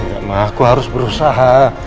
enggak mah aku harus berusaha